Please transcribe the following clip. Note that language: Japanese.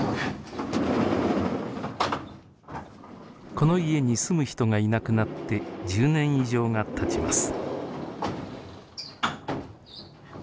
この家に住む人がいなくなって１０年以上がたちます。